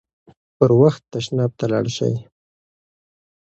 پر وخت تشناب ته لاړ شئ.